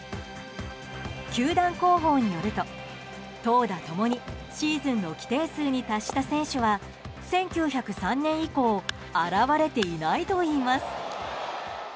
球団広報によると、投打ともにシーズンの規定数に達した選手は１９０３年以降現れていないといいます。